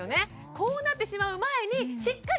こうなってしまう前にしっかり